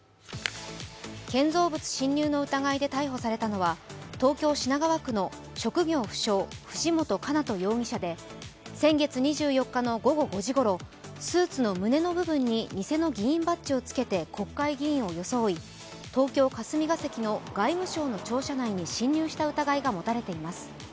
建造物侵入の疑いで逮捕されたのは東京・品川区の職業不詳藤本叶人容疑者で先月２４日の午後５時ごろスーツの胸の部分に偽の議員バッジをつけて国会議員をよそおい東京・霞が関の外務省の庁舎内に侵入した疑いが持たれています。